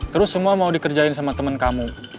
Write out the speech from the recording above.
terus semua mau dikerjain sama temen kamu